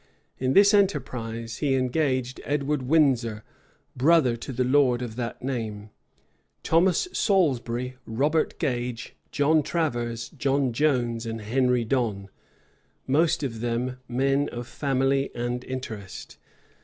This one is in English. In this enterprise, he engaged Edward Windsor, brother to the lord of that name, Thomas Salisbury, Robert Gage, John Travers, John Jones, and Henry Donne; most of them men of family and interest.